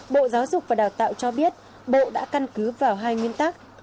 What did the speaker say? bộ giáo dục và đào tạo cho biết bộ đã căn cứ vào hai nguyên tắc